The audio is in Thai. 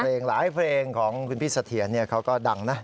เพลงหลายเพลงของคุณพี่สะเทียนเขาก็ดังนะ